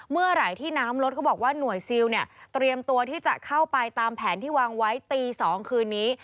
เมื่อไหร่ที่น้ำลดเขาบอกว่าหน่วยซิลเนี่ยเตรียมตัวที่จะเข้าไปตามแผนที่วางไว้ตี๒คืนนี้